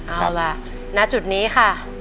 เอาล่ะณจุดนี้ค่ะ